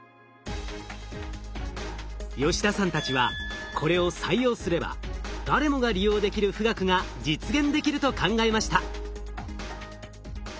吉田さんたちはこれを採用すれば誰もが利用できる富岳が実現できると考えました。